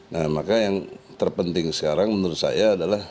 nah maka yang terpenting sekarang menurut saya adalah